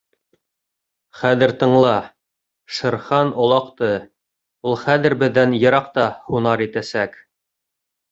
Хәҙер тыңла: Шер Хан олаҡты, ул хәҙер беҙҙән йыраҡта һунар итәсәк.